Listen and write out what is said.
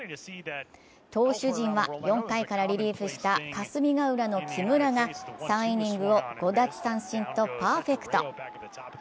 投手陣は４回からリリーフした霞ヶ浦の木村が３イニングを５奪三振とパーフェクト。